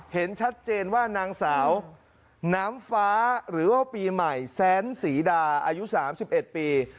เห็นชัดเจนว่านางสาวน้ำฟ้าหรือว่าปีใหม่แซนศรีดาอายุ๓๑ปี